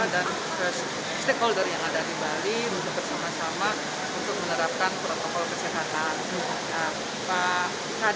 dan stakeholder yang ada di bali untuk bersama sama untuk menerapkan protokol kesehatan